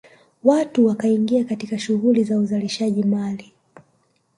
Watu wakaingia katika shughuli za uzalishaji mali